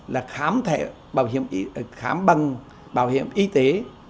là khám bằng bảo hiểm y tế